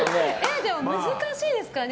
でも難しいですからね。